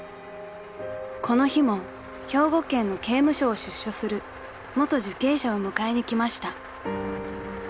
［この日も兵庫県の刑務所を出所する元受刑者を迎えに来ました］